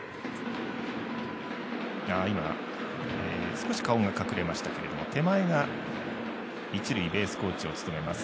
少し顔が隠れましたけども手前が一塁ベースコーチを務めます